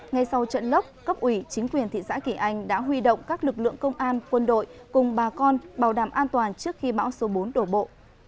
ngay sau trận lốc cấp ủy chính quyền thị xã kỳ anh đã huy động các lực lượng công an quân đội cùng bà con bảo đảm an toàn trước khi bão số bốn đổ bộ